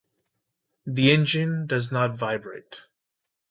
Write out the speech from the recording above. The engine does not vibrate.